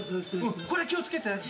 これ気を付けて。